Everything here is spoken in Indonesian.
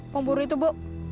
pemburu itu bu